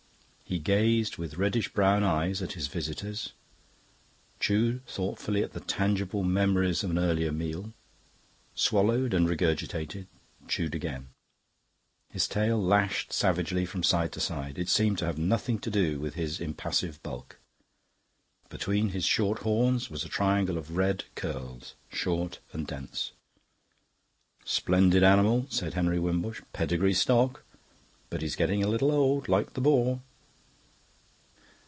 He gazed with reddish brown eyes at his visitors, chewed thoughtfully at the tangible memories of an earlier meal, swallowed and regurgitated, chewed again. His tail lashed savagely from side to side; it seemed to have nothing to do with his impassive bulk. Between his short horns was a triangle of red curls, short and dense. "Splendid animal," said Henry Wimbush. "Pedigree stock. But he's getting a little old, like the boar."